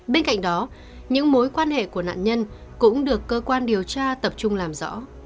bên cạnh đó những mối quan hệ của nạn nhân cũng được cơ quan điều tra tập trung làm rõ